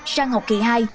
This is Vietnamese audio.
sang học kỳ hai